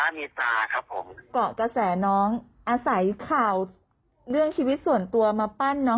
เราก็ต้องมีมุมมองของการทำเพลง